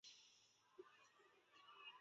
前身是大阪府立护理短期大学。